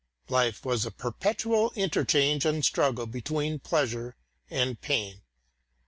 Life was a perpetual interchange and struggle between pleasure and pain.